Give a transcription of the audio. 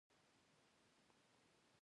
حکومت امریکا ته ځاني او مالي تاوانونه ورسول.